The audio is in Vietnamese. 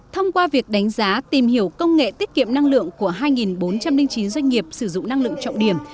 thông qua việc đánh giá tìm hiểu công nghệ tiết kiệm năng lượng của hai bốn trăm linh chín doanh nghiệp sử dụng năng lượng trọng điểm